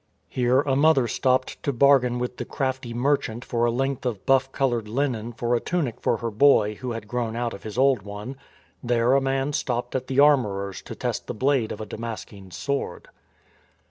Here a mother stopped to bargain with the crafty merchant for a length of buff coloured linen for a tunic for her boy who had grown out of his old one; there a man stopped 213 214 STORM AND STRESS at the armourer's to test the blade of a Damascene sword.